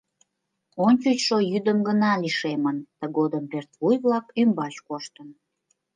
Ончычшо йӱдым гына лишемын, тыгодым пӧртвуй-влак ӱмбач коштын.